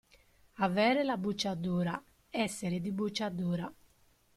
Avere la buccia dura, essere di buccia dura.